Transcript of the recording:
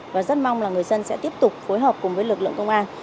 và rất mong là người dân sẽ tiếp tục phối hợp cùng với lực lượng công an